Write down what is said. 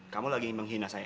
kamu lagi menghina saya